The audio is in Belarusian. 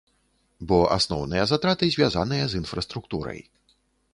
Бо асноўныя затраты звязаныя з інфраструктурай.